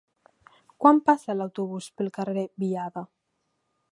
Quan passa l'autobús pel carrer Biada?